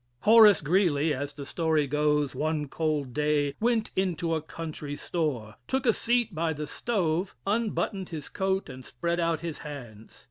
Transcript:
Horace Greeley, as the story goes, one cold day went into a country store, took a seat by the stove, unbuttoned his coat and spread out his hands.